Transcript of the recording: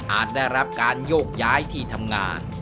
ได้รับการโยกย้ายที่ทำงาน